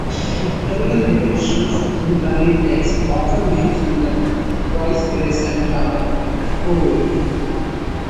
Pictorial depictions in early texts, often mention the poise, grace and charm of Poorvi.